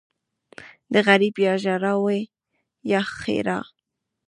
ـ د غريب يا ژړا وي يا ښېرا.